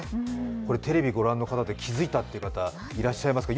これテレビご覧の方で気づいた方っていう方いらっしゃいますか？